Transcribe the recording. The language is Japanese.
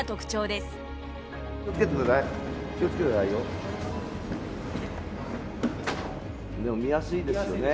でも見やすいですよね。